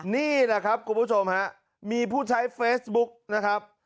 นี่แหละครับคุณผู้ชมฮะมีผู้ใช้เฟซบุ๊กนะครับ